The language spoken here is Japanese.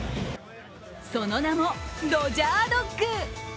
その名も、ドジャードッグ。